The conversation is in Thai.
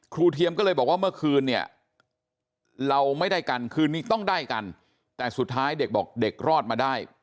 เทียมก็เลยบอกว่าเมื่อคืนเนี่ยเราไม่ได้กันคืนนี้ต้องได้กันแต่สุดท้ายเด็กบอกเด็กรอดมาได้